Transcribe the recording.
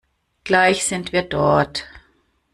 Gleich sind wir dort.